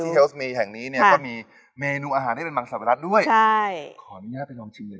ขอมีง่าไปลองชิมด้วยได้ป่ะ